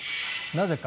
なぜか。